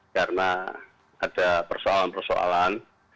karena ada persoalan persoalan